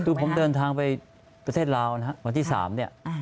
คือผมเดินทางไปประเทศลาวนะครับวันที่๓เนี่ย